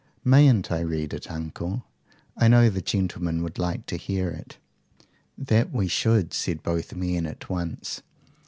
Mayn't I read it, uncle? I know the gentlemen would like to hear it." "That we should," said both men at once.